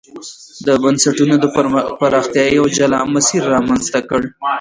د بنسټونو د پراختیا یو جلا مسیر رامنځته کړ.